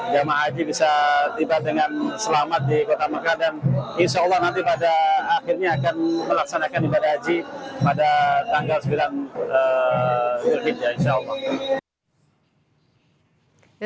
jemaah haji bisa berjalan dengan selamat di kota mekah dan insyaallah nanti pada akhirnya akan melaksanakan ibadah haji pada tanggal sembilan julhid